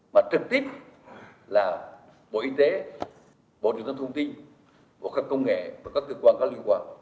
mà trực tiếp là bộ y tế bộ trưởng tâm thông tin bộ khách công nghệ và các cơ quan có liên quan